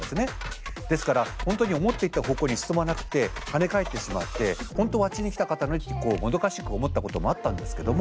ですから本当に思っていた方向に進まなくて跳ね返ってしまって本当はあっちに行きたかったのにってこうもどかしく思ったこともあったんですけども。